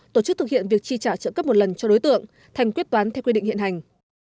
tổ chức thực hiện việc chi trả trợ cấp một lần cho đối tượng thành quyết toán theo quy định hiện hành